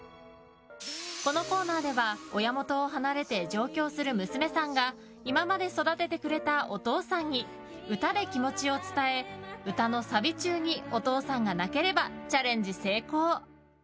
このコーナーでは親元を離れて上京する娘さんが今まで育ててくれたお父さんに歌で気持ちを伝え歌のサビ中にお父さんが泣ければチャレンジ成功。